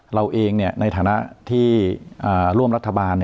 เราเองในฐานะที่ร่วมรัฐบาล